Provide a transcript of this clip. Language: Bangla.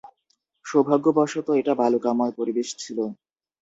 সৌভাগ্যবশত এটা বালুকাময় পরিবেশ ছিল।